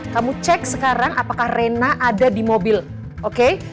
kamu cek sekarang apakah reina ada di mobil oke